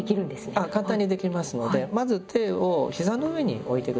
あっ簡単にできますのでまず手を膝の上に置いて下さい。